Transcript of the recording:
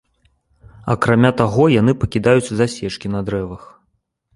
Акрамя таго яны пакідаюць засечкі на дрэвах.